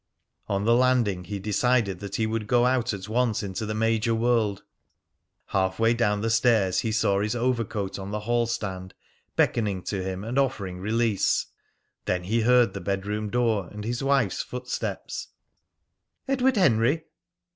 On the landing he decided that he would go out at once into the major world. Half way down the stairs he saw his overcoat on the hall stand, beckoning to him and offering release. Then he heard the bedroom door and his wife's footsteps. "Edward Henry!"